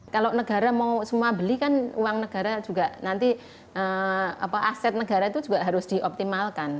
kalau negara mau semua beli kan uang negara juga nanti aset negara itu juga harus dioptimalkan